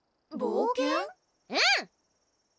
うん！